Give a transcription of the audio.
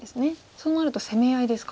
そうなると攻め合いですか。